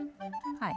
はい。